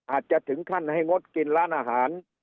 อาจจะถึงขั้นให้งดกินร้านอาหาร